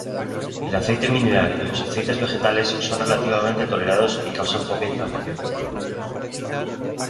El aceite mineral y los aceites vegetales son relativamente tolerados y causan poca inflamación.